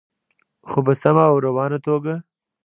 خو په سمه او روانه توګه.